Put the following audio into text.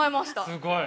◆すごい。